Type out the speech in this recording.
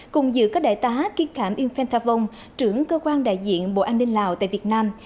cùng dự các đại tá kiên khảm yên phen thà vông trưởng cơ quan đại diện bộ an ninh lào tại việt nam